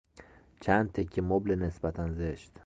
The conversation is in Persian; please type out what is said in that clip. چند تکه مبل نسبتا زشت